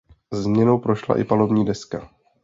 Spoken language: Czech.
Změnou prošla i palubní deska.